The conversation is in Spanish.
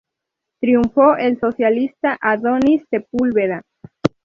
Triunfó el socialista Adonis Sepúlveda.